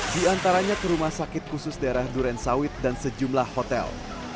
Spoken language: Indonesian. di antaranya ke rumah sakit khusus daerah duren sawit dan sejumlah hotel